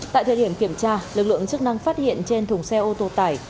tại thời điểm kiểm tra lực lượng chức năng phát hiện trên thùng xe ô tô tải